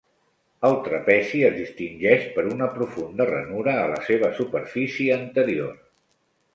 El trapezi es distingeix per una profunda ranura a la seva superfície anterior.